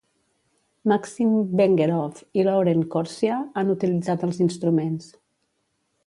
Maxim Vengerov i Laurent Korcia han utilitzat els instruments.